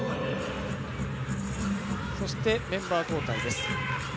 そしてメンバー交代です。